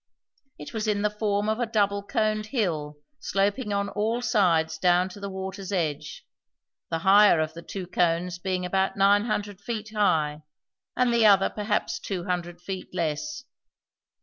It was in the form of a double coned hill sloping on all sides down to the water's edge, the higher of the two cones being about nine hundred feet high, and the other perhaps two hundred feet less.